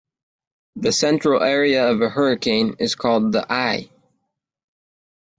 The central area of a hurricane is called the eye